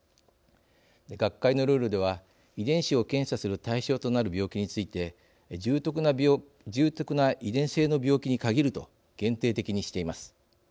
学会のルールでは遺伝子を検査する対象となる病気について重篤な遺伝性の病気に限ると限定的にしています。